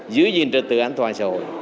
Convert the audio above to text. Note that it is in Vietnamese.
giữ gìn trật tự an toàn xã hội